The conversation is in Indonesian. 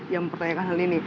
yang mempertanyakan hal ini